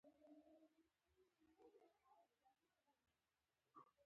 دومره لرې چې هيڅ شناخت يې تر منځ نه وای